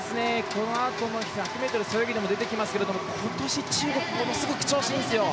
このあとの１００ｍ背泳ぎでも出てきますが今年、中国ものすごく調子いいんですよ。